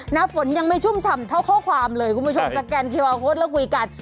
นับฝนยังไม่ชุ่มฉ่ำเท่าข้อความเลยกูมาชมสแกนคิวอาร์โค้ดแล้วกุยกัด